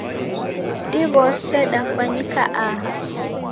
Diwose dakwanyika aha